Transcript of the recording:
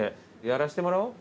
やらしてもらおう。